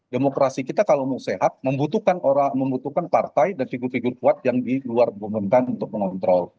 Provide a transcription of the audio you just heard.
demokrasi kita kalau mau sehat membutuhkan orang membutuhkan partai dan figur figur kuat yang di luar pemerintahan untuk mengontrol